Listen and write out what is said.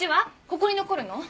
ここに残るの？